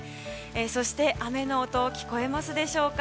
そして、雨の音聞こえますでしょうか。